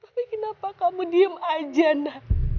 tapi kenapa kamu diam saja na